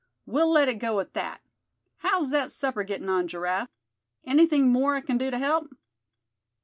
We'll let it go at that. How's that supper gettin' on, Giraffe? Anything more I c'n do to help?"